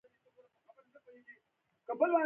ما وويل نه يم خپه.